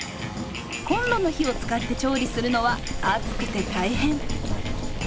コンロの火を使って調理するのは暑くて大変。